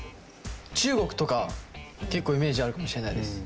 中国とか結構イメージあるかもしれないです。